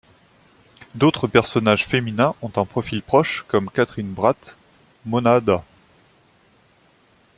D'autres personnages féminins ont un profil proche, comme Katrine Bratt, Mona Daa.